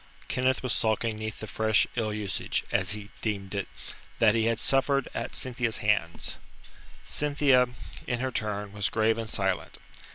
Kenneth was sulking 'neath the fresh ill usage as he deemed it that he had suffered at Cynthia's hands. Cynthia, in her turn, was grave and silent.